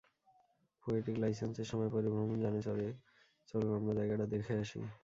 Poetic লাইসেন্সের সময় পরিভ্রমণ যানে চড়ে, চলুন আমরা জায়গাটা দেখে আসি।